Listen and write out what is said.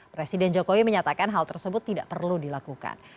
presiden jokowi menyatakan hal tersebut tidak perlu dilakukan